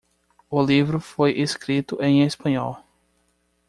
O livro foi escrito em espanhol.